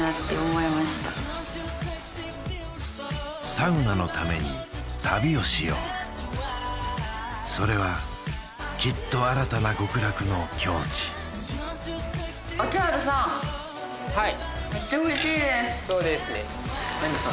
サウナのために旅をしようそれはきっと新たな極楽の境地はい